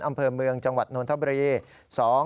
อำเภอเมืองจังหวัดนนท์ธบริเวณ